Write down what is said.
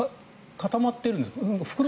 固まってるんです。